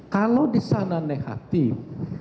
kalau disana negatif